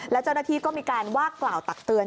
แล้วเจ้าหน้าที่ก็มีการว่ากล่าวตักเตือน